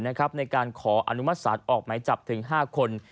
ในการขออนุมัติศาลออกหมายจับถึง๕คน